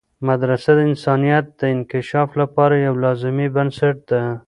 مدرسه د انسانیت د انکشاف لپاره یوه لازمي بنسټ ده.